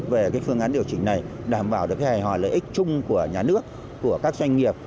về phương án điều chỉnh này đảm bảo được hài hòa lợi ích chung của nhà nước của các doanh nghiệp